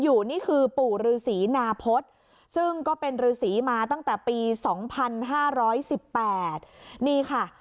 อยู่นี่คือปู่ฤษีนาพฤษซึ่งก็เป็นฤษีมาตั้งแต่ปี๒๕๑๘นี่ค่ะ